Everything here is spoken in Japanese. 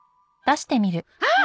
あっ！